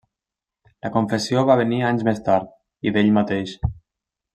La confessió va venir anys més tard, i d'ell mateix.